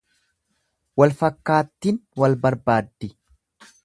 Walfakkaattin wal barbaaddi.